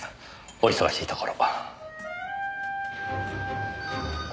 お忙しいところ。